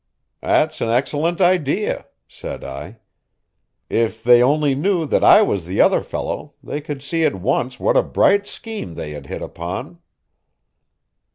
"That's an excellent idea," said I. "If they only knew that I was the other fellow they could see at once what a bright scheme they had hit upon."